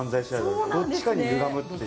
どっちかにゆがむって。